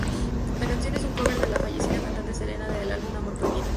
La canción es un cover de la fallecida cantante Selena del álbum Amor Prohibido.